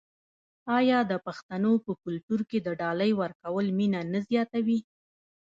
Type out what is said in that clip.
آیا د پښتنو په کلتور کې د ډالۍ ورکول مینه نه زیاتوي؟